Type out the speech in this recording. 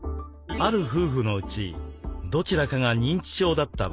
ある夫婦のうちどちらかが認知症だった場合。